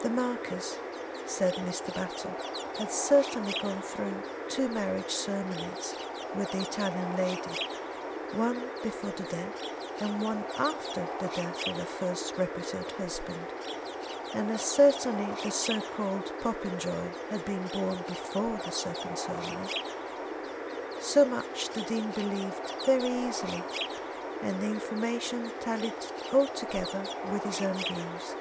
"The Marquis," said Mr. Battle, "had certainly gone through two marriage ceremonies with the Italian lady, one before the death and one after the death of her first reputed husband. And as certainly the so called Popenjoy had been born before the second ceremony." So much the Dean believed very easily, and the information tallied altogether with his own views.